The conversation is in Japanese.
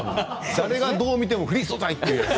誰がどう見てもフリー素材という。